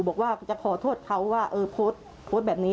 บอกว่าจะขอโทษเขาว่าโพสแบบนี้